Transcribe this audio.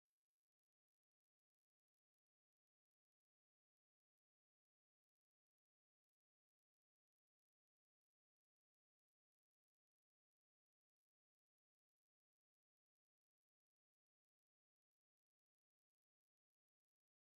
silenci